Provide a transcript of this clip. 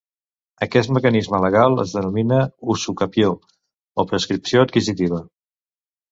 Aquest mecanisme legal es denomina usucapió o prescripció adquisitiva.